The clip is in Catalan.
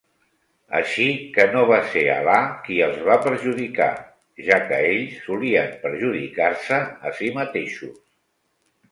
Així que no va ser Alà qui els va perjudicar, ja que ells solien perjudicar-se a sí mateixos.